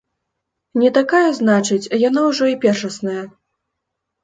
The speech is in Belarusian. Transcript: Не такая, значыць, яна ўжо і першасная.